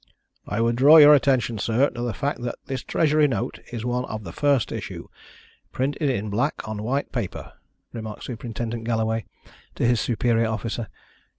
"I would draw your attention, sir, to the fact that this Treasury note is one of the first issue printed in black on white paper," remarked Superintendent Galloway to his superior officer.